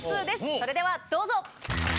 それではどうぞ。